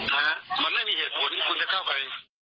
นะฮะมันไม่มีเหตุผลที่คุณจะเข้าไป